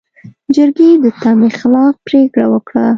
جرګې د تمې خلاف پرېکړه وکړه.